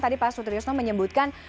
tadi pak sutriusno menyebutkan